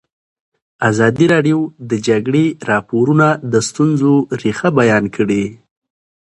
ازادي راډیو د د جګړې راپورونه د ستونزو رېښه بیان کړې.